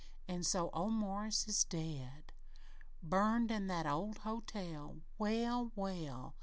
An' so old Morris is dead burned in that old hotel! Well, well!